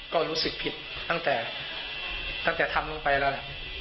ก็รู้สึกผิดตั้งแต่ตั้งแต่ทำลงไปแล้วนะ